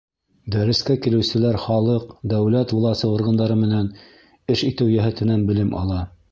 — Дәрескә килеүселәр халыҡ, дәүләт власы органдары менән эш итеү йәһәтенән белем ала.